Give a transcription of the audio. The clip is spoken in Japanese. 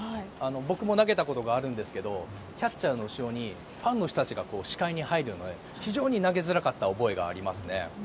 僕も投げたことがあるんですけどキャッチャーの後ろにファンの人たちが視界に入るので非常に投げづらかった覚えがありますね。